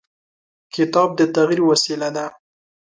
کتاب د تغیر وسیله ده.